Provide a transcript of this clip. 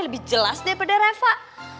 lebih jelas daripada refah